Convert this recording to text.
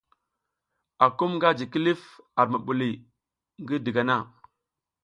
Akum nga ji kilif ar mubuliy ngi digana.